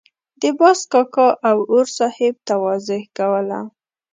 د باز کاکا او اور صاحب تواضع کوله.